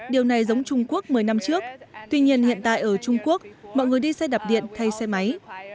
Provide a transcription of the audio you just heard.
điều này giống trung quốc một mươi năm trước tuy nhiên hiện tại ở trung quốc mọi người đi xe đạp điện thay xe máy